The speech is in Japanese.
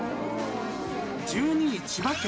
１２位、千葉県。